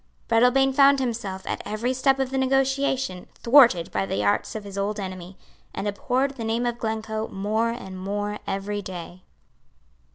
Breadalbane found himself, at every step of the negotiation, thwarted by the arts of his old enemy, and abhorred the name of Glencoe more and more every day.